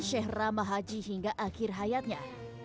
syekh rahmah haji hingga akhir hayatnya